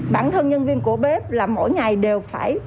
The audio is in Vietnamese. bản thân nhân viên của bếp là mỗi ngày đều phải